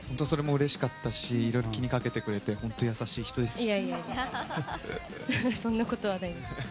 それもうれしかったしいろいろ気にかけてくれて本当に優しい人です。